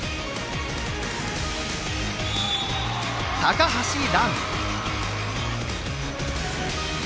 高橋藍。